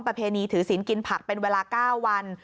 ประเพณีถือศีลกินผักเป็นเวลา๙วัน